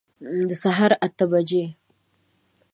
د سهار اته بجي